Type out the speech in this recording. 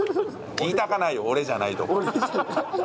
言いたかないよ「俺じゃない」。